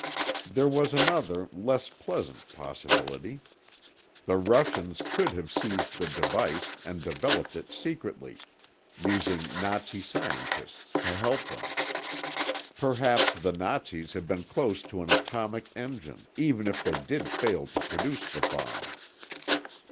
There was another, less pleasant possibility. The Russians could have seized the device and developed it secretly, using Nazi scientists to help them. Perhaps the Nazis had been close to an atomic engine, even if they did fail to produce the bomb.